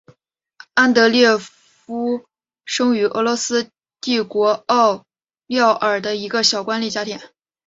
安德列耶夫生于俄罗斯帝国奥廖尔的一个小官吏家庭。